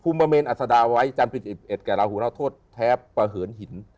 ภูมิเมนอัศดาไวท์จันทริชห์๑๑กับราหูราชทธรรมณ์แท้เป่าเหินหิน